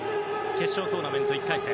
決勝トーナメント１回戦